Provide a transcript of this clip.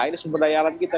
ini sumber daya kita